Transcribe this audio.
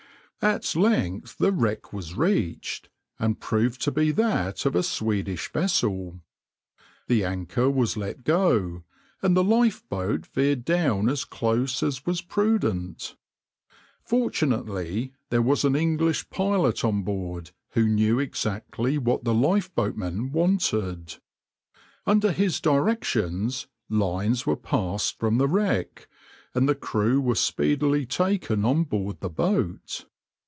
\par At length the wreck was reached, and proved to be that of a Swedish vessel. The anchor was let go, and the lifeboat veered down as close as was prudent. Fortunately there was an English pilot on board, who knew exactly what the lifeboatmen wanted. Under his directions lines were passed from the wreck, and the crew were speedily taken on board the boat.